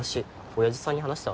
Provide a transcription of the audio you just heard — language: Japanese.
親父さんに話した？